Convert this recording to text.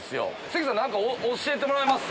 関さん何か教えてもらえます？